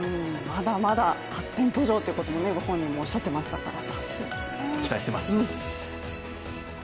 まだまだ発展途上ということをご本人もおっしゃっていましたから。